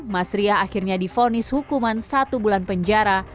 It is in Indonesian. mas riah akhirnya difonis hukuman satu bulan penjara